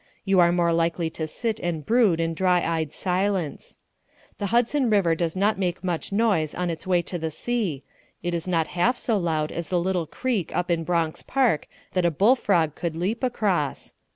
You are more likely to sit and brood in dry eyed silence. The Hudson River does not make much noise on its way to the sea it is not half so loud as the little creek up in Bronx Park that a bullfrog could leap across.